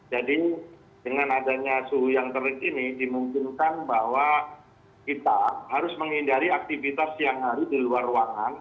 jadi dengan adanya suhu yang terik ini dimungkinkan bahwa kita harus menghindari aktivitas siang hari di luar ruangan